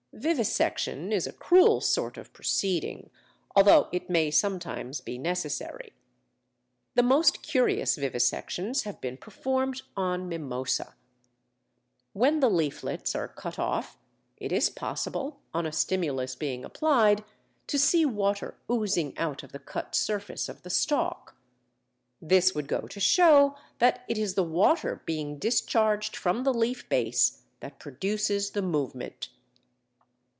Vivisection is a cruel sort of proceeding, although it may sometimes be necessary. The most curious vivisections have been performed on Mimosa. When the leaflets are cut off, it is possible, on a stimulus being applied, to see water oozing out of the cut surface of the stalk. This would go to show that it is the water being discharged from the leaf base that produces the movement.